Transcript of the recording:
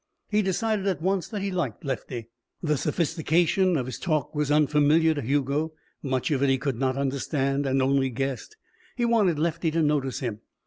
He decided at once that he liked Lefty. The sophistication of his talk was unfamiliar to Hugo; much of it he could not understand and only guessed. He wanted Lefty to notice him.